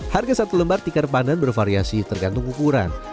harga satu lembar tikar pandan bervariasi tergantung ukuran